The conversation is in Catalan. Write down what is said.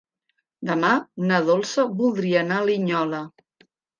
Demà na Dolça voldria anar a Linyola.